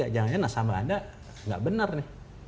jangan saja nasabah anda tidak benar nih